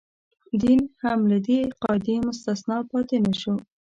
دین هم له دې قاعدې مستثنا پاتې نه شو.